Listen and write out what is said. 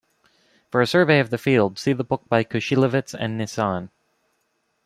For a survey of the field, see the book by Kushilevitz and Nisan.